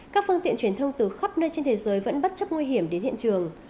các phương tiện truyền thông từ khắp nơi trên thế giới vẫn bất chấp nguy hiểm đến hiện trường